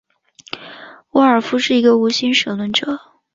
沃尔夫是一个无神论者。